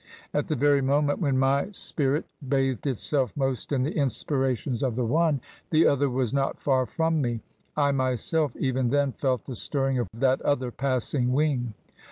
At the very moment when my spirit bathed itself most in the inspirations of the one, the other was not far from me. I myself even then felt the stirring of that other passing wing.